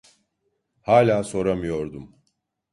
Hâlâ soramıyordum.